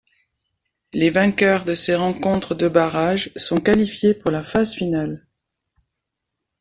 Les vainqueurs de ces rencontres de barrage sont qualifiés pour la phase finale.